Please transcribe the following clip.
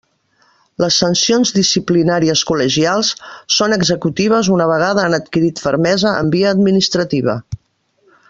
Les sancions disciplinàries col·legials són executives una vegada han adquirit fermesa en via administrativa.